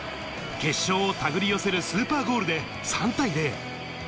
決勝を手繰り寄せるスーパーゴールで３対０。